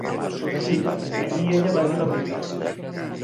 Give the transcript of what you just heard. Sí, allí ella va dir la veritat.